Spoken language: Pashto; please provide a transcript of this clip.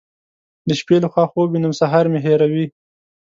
د شپې له خوا خوب وینم سهار مې هېروي.